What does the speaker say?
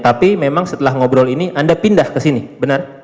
tapi memang setelah ngobrol ini anda pindah ke sini benar